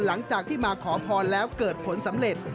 หลังจากที่มาขอพรแล้วเกิดผลสำเร็จ